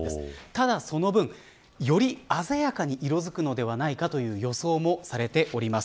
ただ、その分より鮮やかに色づくのではないかという予想もされております。